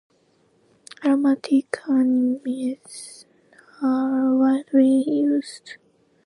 Aromatic amines are widely used as precursor to pesticides, pharmaceuticals, and dyes.